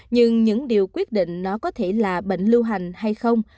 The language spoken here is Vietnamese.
nhưng những điều quyết định nó có thể là bệnh lưu hành hay không